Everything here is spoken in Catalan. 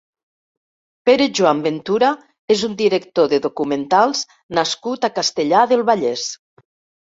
Pere Joan Ventura és un director de documentals nascut a Castellar del Vallès.